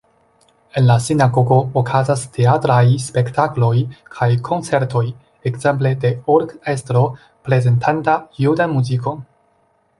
En la sinagogo okazas teatraj spektakloj kaj koncertoj, ekzemple de orkestro prezentanta judan muzikon.